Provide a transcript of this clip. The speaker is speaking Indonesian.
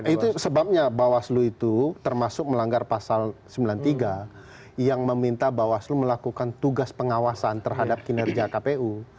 itu sebabnya bawaslu itu termasuk melanggar pasal sembilan puluh tiga yang meminta bawaslu melakukan tugas pengawasan terhadap kinerja kpu